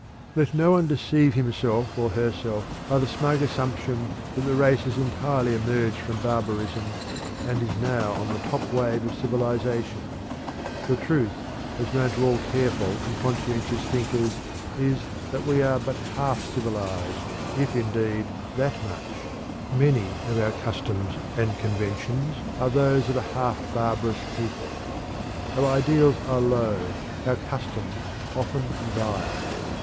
Let no one deceive himself or herself by the smug assumption that the race has entirely emerged from barbarism and is now on the top wave of civilization. The truth, as known to all careful and conscientious thinkers, is that we are but half civilized, if, indeed, that much. Many of our customs and conventions are those of a half barbarous people. Our ideals are low, our customs often vile.